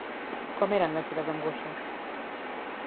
Com eren les seves angoixes?